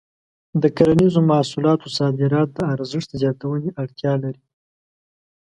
د کرنیزو محصولاتو صادرات د ارزښت زیاتونې اړتیا لري.